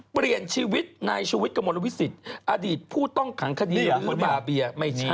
เปลี่ยนชีวิตในชีวิตกระมวลวิสิตอดีตผู้ต้องขังคดีหรือบาเบีย